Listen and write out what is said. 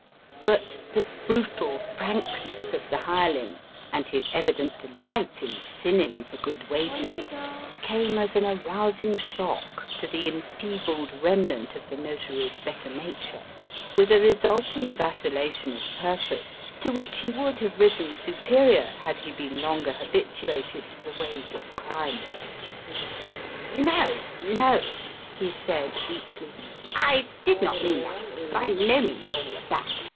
But the brutal frankness of the hireling, and his evident delight in sinning for good wages, came as an arousing shock to the enfeebled remnant of the Notary's better nature with a resulting vacillation of purpose to which he would have risen superior had he been longer habituated to the ways of crime. "No! No!" he said weakly. "I did not mean that by no means all of that.